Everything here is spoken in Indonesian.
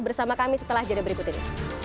bersama kami setelah jeda berikut ini